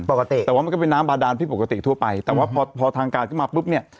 ปกติแต่ว่ามันก็เป็นน้ำบาดานผิดปกติทั่วไปแต่ว่าพอพอทางการขึ้นมาปุ๊บเนี่ย